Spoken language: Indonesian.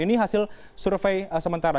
ini hasil survei sementara